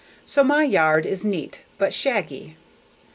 So my yard is neat but shaggy.